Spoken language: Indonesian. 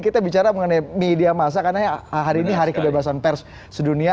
kita bicara mengenai media masa karena hari ini hari kebebasan pers sedunia